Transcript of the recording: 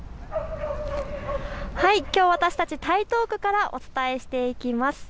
きょう私たち、台東区からお伝えしていきます。